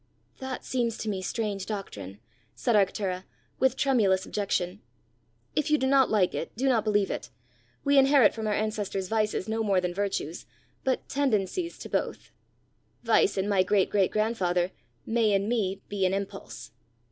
"That seems to me strange doctrine," said Arctura, with tremulous objection. "If you do not like it, do not believe it. We inherit from our ancestors vices no more than virtues, but tendencies to both. Vice in my great great grandfather may in me be an impulse."